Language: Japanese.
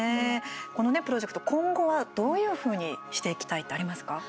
このね、プロジェクト今後は、どういうふうにしていきたいってありますか。